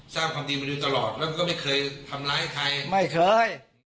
ความดีมาโดยตลอดแล้วก็ไม่เคยทำร้ายใครไม่เคย